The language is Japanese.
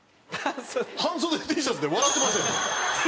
半袖Ｔシャツで笑ってますよ。